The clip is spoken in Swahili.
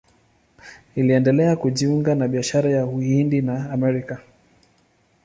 Iliendelea kujiunga na biashara ya Uhindi na Amerika.